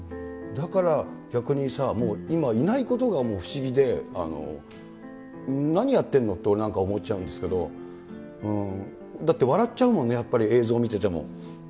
だから逆にさあ、今、いないことが不思議で、何やってんのって俺なんか思っちゃうんですけど、だって笑っちゃうもんね、やっぱり映像見てても。